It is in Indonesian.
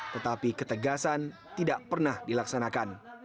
tetapi ketegasan tidak pernah dilaksanakan